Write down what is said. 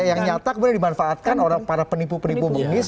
yang nyata kemudian dimanfaatkan orang para penipu penipu mengis